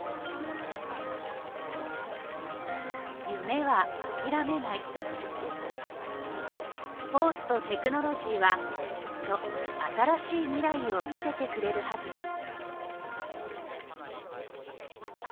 夢は諦めないスポーツとテクノロジーはきっと新しい未来を見せてくれるはずです